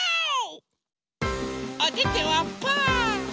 おててはパー。